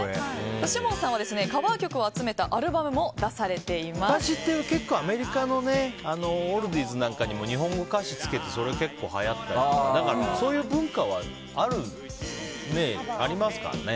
子門さんはカバー曲を集めたアルバムも結構、アメリカのオールディーズなんかにも日本語の歌詞をつけてそれが結構はやったりとかそういう文化はありますからね。